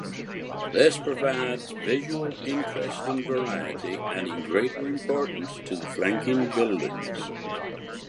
This provides visual interest and variety, adding greater importance to the flanking buildings.